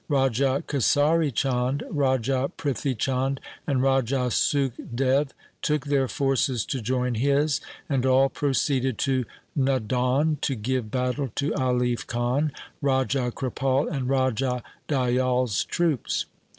Raja Kesari Chand, Raja Prithi Chand, and Raja Sukh Dev took their forces to join his, and all proceeded to Nadaun to give battle to Alif Khan, Raja Kripal, and Raja Dayal's troops.